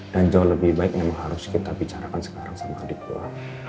dan jauh lebih baik memang harus kita bicarakan sekarang sama adik gue